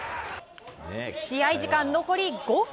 試合時間残り５分。